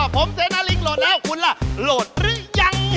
ผมเสนาลิงโหลดแล้วคุณล่ะโหลดหรือยัง